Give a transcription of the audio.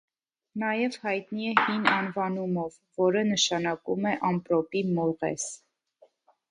Նաև հայտնի է հին անվանումով՝ , որը նշանակում է «ամպրոպի մողես»։